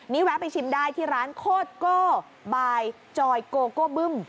นี่แวะไปชิมได้ที่ร้านโคตรโก้บายจอยโกโก้บึ้ม